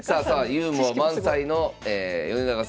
ユーモア満載の米長先生